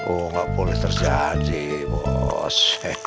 oh nggak boleh terjadi bos